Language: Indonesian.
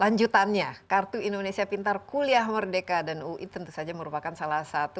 lanjutannya kartu indonesia pintar kuliah merdeka dan ui tentu saja merupakan salah satu